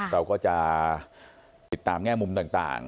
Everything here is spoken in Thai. เราก็จะติดตามแง่มุมต่าง